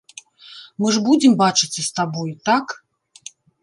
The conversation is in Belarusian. Мы ж будзем бачыцца з табой, так?